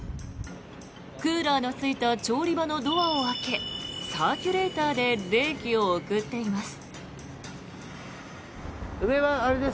クーラーのついた調理場のドアを開けサーキュレーターで冷気を送っています。